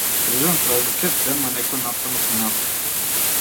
Државен празник е, ден на некој настан од минатото.